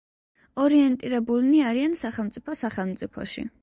ორიენტირებულნი არიან სახელმწიფო სახელმწიფოში.